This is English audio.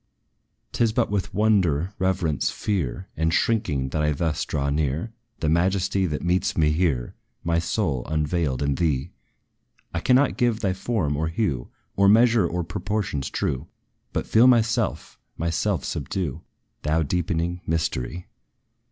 'T is but with wonder, reverence, fear And shrinking, that I thus draw near The majesty, that meets me here, My soul, unveiled, in thee! I cannot give thy form, or hue, Or measure, or proportions true; But feel myself myself subdue, Thou deepening mystery.